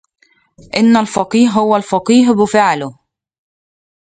إن الفقيه هو الفقيه بفعله